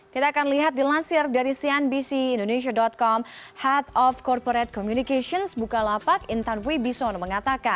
kita akan lihat dilansir dari cnbc indonesia com head of corporate communications bukalapak intan wibisono mengatakan